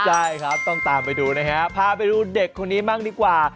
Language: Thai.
ใช่ครับต้องตามไปดูนะฮะพาไปดูเด็กคนนี้บ้างดีกว่า